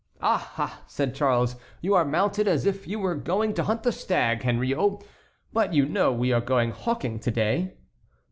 "Ah, ah!" said Charles, "you are mounted as if you were going to hunt the stag, Henriot; but you know we are going hawking to day."